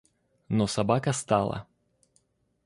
Но собака стала.